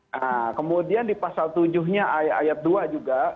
nah kemudian di pasal tujuh nya ayat dua juga mengatakan bahwa di ruangan online itu cukup